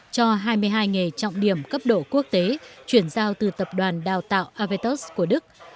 cho hai mươi hai nghề trọng điểm cấp độ quốc tế chuyển giao từ tập đoàn đào tạo avetos của đức